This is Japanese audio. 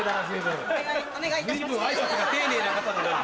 随分挨拶が丁寧な方だな。